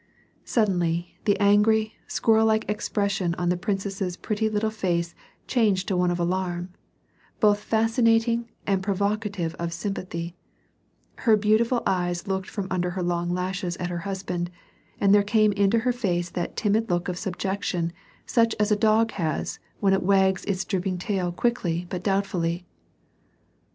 Suddenly the angry, squirrel like expression on the prin cess's pretty little face changed to one of alarm, both fascinat ing and provocative of sympathy ; her beautiful eyes looked from under her long lashes at her husband, and there came into her face that timid look of subjection such as a dog has when it wags its drooping tail quickly but doubtfully.